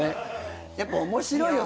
やっぱ面白いよ